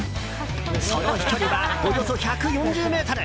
その飛距離は、およそ１４０ｍ。